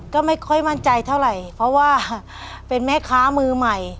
ก็ไม่ค่อยมั่นใจเท่าไหร่เพราะว่าเป็นแม่ค้ามือใหม่